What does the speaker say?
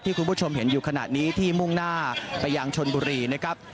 คุณผู้ชมเห็นอยู่ขณะนี้ที่มุ่งหน้าไปยังชนบุรีนะครับ